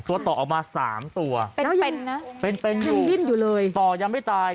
ตัวต่อออกมา๓ตัวเป็นอยู่ต่อยังไม่ตาย